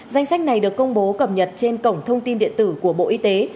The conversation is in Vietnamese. danh sách này được công bố cập nhật trên cổng thông tin điện tử của bộ y tế